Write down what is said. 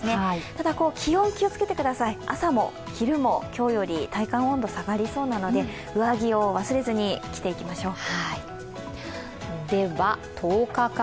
ただ、気温、気をつけてください、朝も昼も今日より体感温度下がりそうなので上着を忘れずに着ていきましょう。